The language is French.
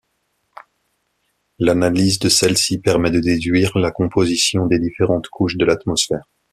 L'analyse de celle-ci permet de déduire la composition des différentes couches de l'atmosphère.